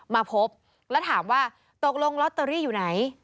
มาพบแล้วถามว่าตกลงลอตเตอรี่อยู่ไหน